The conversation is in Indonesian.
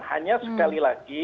hanya sekali lagi